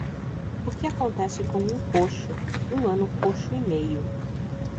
O que acontece com um coxo, um ano coxo e meio.